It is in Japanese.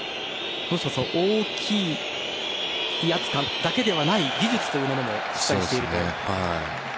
大きい威圧感だけではない技術というものもしっかりしていると。